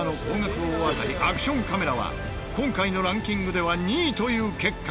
大当たりアクションカメラは今回のランキングでは２位という結果に。